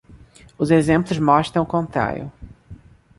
Os exemplos mostram o contrário.